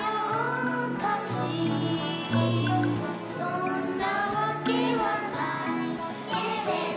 「そんなわけはないけれど」